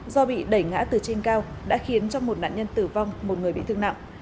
do bị đẩy ngã từ trên cao đã khiến cho một nạn nhân tử vong một người bị thương nặng